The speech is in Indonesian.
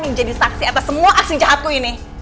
yang jadi saksi atas semua aksi kejahatanku ini